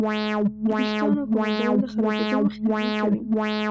د ویښتانو ږمنځول د خرابېدو مخنیوی کوي.